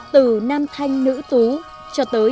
từ nam thanh nữ tú cho tới những người lớn tuổi